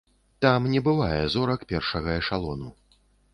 Там не бывае зорак першага эшалону.